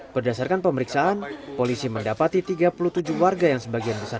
berdasarkan pemeriksaan polisi mendapati tiga puluh tujuh warga yang sebagian besar